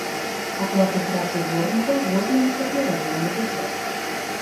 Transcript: Аплату працы дворнікаў возьме на сябе раённы бюджэт.